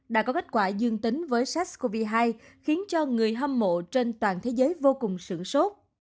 đã có kết quả dương tính với sars cov hai khiến cho người hâm mộ trên toàn thế giới vô cùng sự sốt